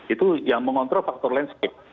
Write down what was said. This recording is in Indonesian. itu yang mengontrol faktor landscape